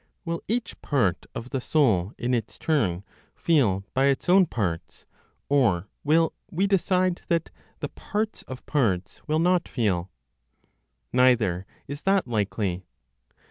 Will each part of the soul, in its turn, feel by its own parts, or will (we decide that) the parts of parts will not feel? Neither is that likely.